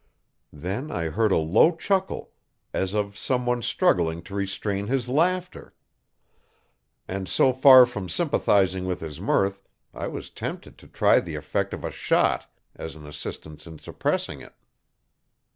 Then I heard a low chuckle, as of some one struggling to restrain his laughter; and so far from sympathizing with his mirth, I was tempted to try the effect of a shot as an assistance in suppressing it.